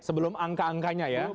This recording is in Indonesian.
sebelum angka angkanya ya